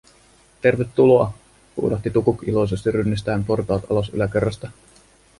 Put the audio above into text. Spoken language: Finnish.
"Tervetuloa!", huudahti Tukuk iloisesti rynnistäen portaat alas yläkerrasta.